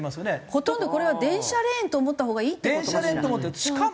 ほとんどこれは電車レーンと思ったほうがいいって事かしら？